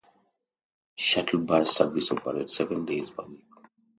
Shuttle bus service operates seven days per week.